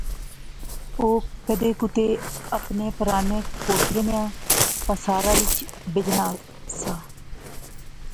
او کدے کُتے اپنے پرانے کوٹھے نیاں پاساریا وچ بہجنا سا